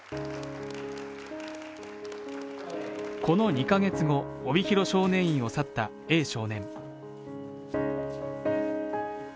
この２カ月後、帯広少年院を去ったＡ少年。